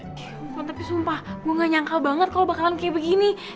ya ampun tapi sumpah gua ga nyangka banget kalo bakalan kayak begini